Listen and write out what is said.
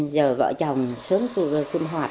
giờ vợ chồng sớm xuân hoạt